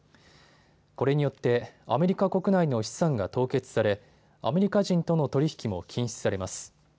これによってアメリカ国内の資産が凍結されアメリカ人との取り引きも禁止されます。